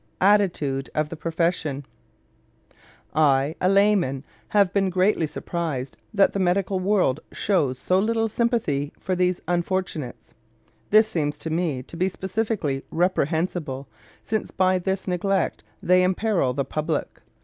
ATTITUDE OF THE PROFESSION I, a layman, have been greatly surprised that the medical world shows so little sympathy for these unfortunates. This seems to me to be specially reprehensible, since by this neglect they imperil the public.